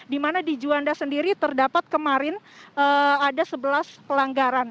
di mana di juanda sendiri terdapat kemarin ada sebelas pelanggaran